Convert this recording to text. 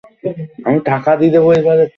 বাবা, তুমি পুরোপুরি নিশ্চিত?